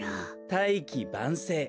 「大器晩成」。